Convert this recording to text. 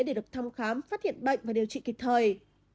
để được thăm khám phát hiện bệnh và điều trị kịp thời